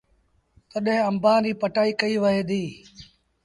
تڏهيݩ آݩبآݩ ريٚ پٽآئيٚ ڪئيٚ وهي ديٚ۔